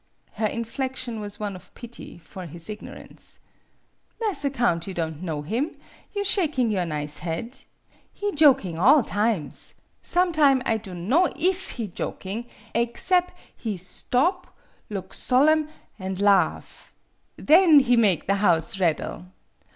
Her inflection was one of pity for his ignorance. " Tha' 's account you don' know him, you shaking your nize head. He joking alrtimes. Some time I dunno if he joking, aexcep' he stop, look solemn, an' laugh. Then he make the house raddle!